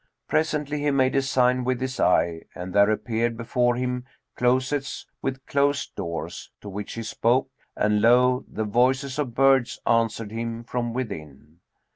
Presently he made a sign with his eye, and there appeared before him closets with closed doors, to which he spoke, and lo! the voices of birds answered him from within.